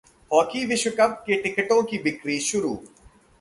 hockey विश्व cup के टिकटों की बिक्री शुरू